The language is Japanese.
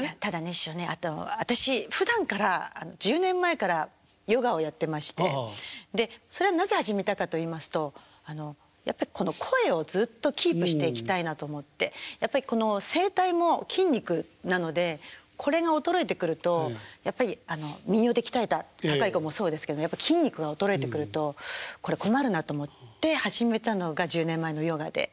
師匠あと私ふだんから１０年前からヨガをやってましてそれはなぜ始めたかといいますとやっぱこの声をずっとキープしていきたいなと思ってやっぱりこの声帯も筋肉なのでこれが衰えてくるとやっぱり民謡で鍛えた高い声もそうですけどやっぱり筋肉が衰えてくるとこれ困るなと思って始めたのが１０年前のヨガで。